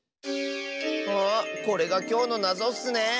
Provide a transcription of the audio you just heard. あこれがきょうのなぞッスね！